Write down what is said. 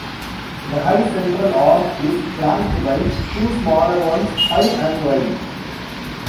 The high central arch is flanked by two smaller ones, high, and wide.